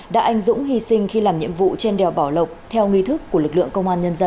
đã anh dũng hy sinh khi làm nhiệm vụ trên đèo bảo lộc theo nghi thức của lực lượng công an nhân dân